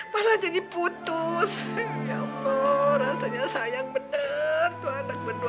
malah jadi putus ya allah rasanya sayang bener